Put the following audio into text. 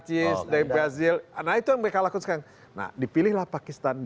terima kasih pak